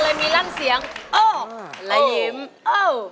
โอ้โห